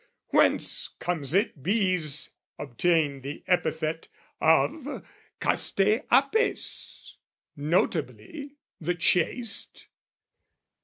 Whence comes it bees obtain the epithet Of castAe apes? notably "the chaste?"